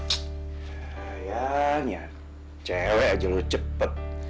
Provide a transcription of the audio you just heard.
sayangnya cewek aja lo cepet